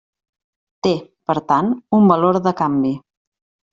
Té, per tant, un valor de canvi.